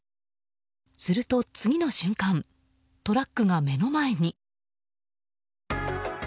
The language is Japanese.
すると次の瞬間トラックが目の前に。